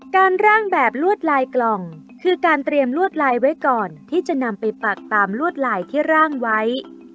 ร่างแบบลวดลายกล่องคือการเตรียมลวดลายไว้ก่อนที่จะนำไปปักตามลวดลายที่ร่างไว้